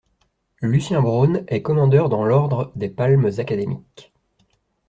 Lucien Braun est commandeur dans l'Ordre des Palmes académiques.